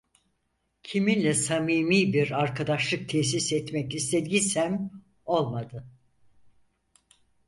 Kiminle samimi bir arkadaşlık tesis etmek istediysem olmadı…